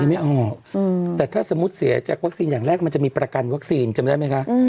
ไม่ออกแต่ถ้าสมมุติเสียจากวัคซีนอย่างแรกมันจะมีประกันวัคซีนจำได้ไหมคะ